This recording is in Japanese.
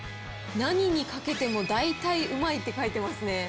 何にかけても大体うまいって書いてますね。